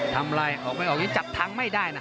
ทำอะไรออกไม่ออกยังจับทางไม่ได้นะ